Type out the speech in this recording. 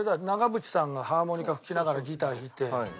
長渕さんがハーモニカ吹きながらギター弾いて。